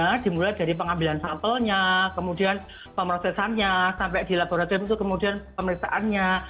nah dimulai dari pengambilan sampelnya kemudian pemrosesannya sampai di laboratorium itu kemudian pemeriksaannya